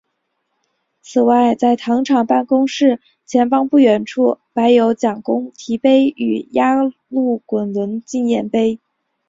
此外在糖厂办公室前方不远处摆有蒋公堤碑与压路滚轮纪念碑。